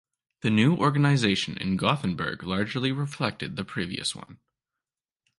The new organization in Gothenburg largely reflected the previous one.